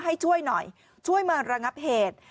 ไม่รู้อะไรกับใคร